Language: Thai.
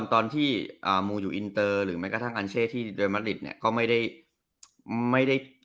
ตอนที่มูลอยู่อินเตอร์หรือแม้กระทั่งอัลเชฟที่โดยมัธริตเนี่ย